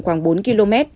khoảng bốn km